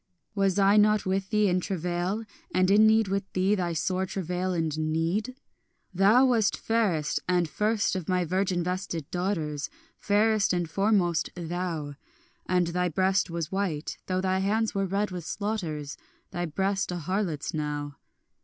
Was I not with thee in travail, and in need with thee, Thy sore travail and need? Thou wast fairest and first of my virgin vested daughters, Fairest and foremost thou; And thy breast was white, though thy hands were red with slaughters, Thy breast, a harlot's now.